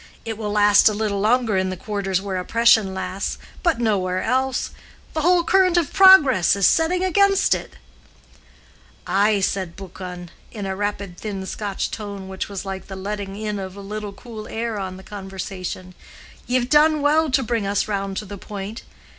It will last a little longer in the quarters where oppression lasts, but nowhere else. The whole current of progress is setting against it." "Ay," said Buchan, in a rapid thin Scotch tone which was like the letting in of a little cool air on the conversation, "ye've done well to bring us round to the point.